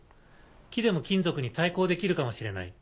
木でも金属に対抗できるかもしれない。